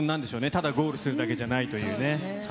ただゴールするだけじゃないというね。